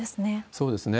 そうですね。